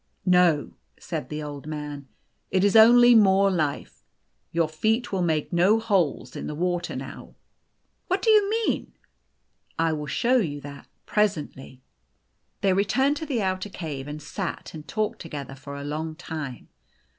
" No," said the Old Man :" it is only more life. Your feet will make no holes in the water now." " What do you mean ?"" I will show you that presently." They returned to the outer cave, and sat and talked together for a long time.